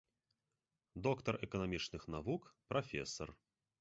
Доктар эканамічных навук, прафесар.